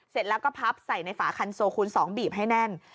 เสร็จแล้วก็พับใส่ในฝาคันโซคูณ๒บีบให้แน่น